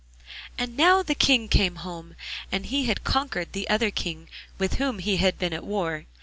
And now the King came home, and he had conquered the other King with whom he had been at war.